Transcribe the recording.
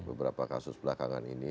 beberapa kasus belakangan ini